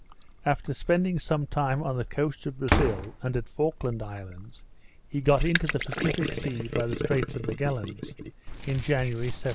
After spending some time on the coast of Brazil, and at Falkland's Islands, he got into the Pacific Sea by the Straits of Magalhaens, in January, 1768.